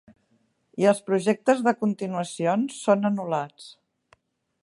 I els projectes de continuacions són anul·lats.